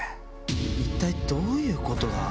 一体どういうことだ？